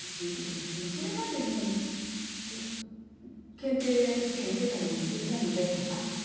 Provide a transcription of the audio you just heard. それまでに検定試験受けたりもしていたのであっ